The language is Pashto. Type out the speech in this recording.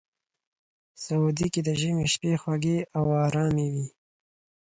سعودي کې د ژمي شپې خوږې او ارامې وي.